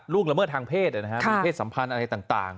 ล่วงละเมิดทางเพศเนี่ยนะครับเพศสัมพันธ์อะไรต่าง